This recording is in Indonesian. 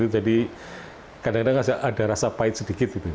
jadi kadang kadang ada rasa pahit sedikit gitu